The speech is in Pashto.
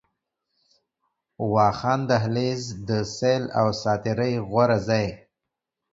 واخان دهلېز، د سيل او ساعتري غوره ځای